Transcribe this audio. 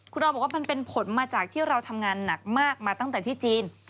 คุณออบอกว่ามันเป็นผลมาจากที่เราทำงานหนักมากมาตั้งแต่ที่จีน